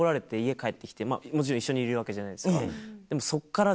もちろん一緒にいるわけじゃないですか。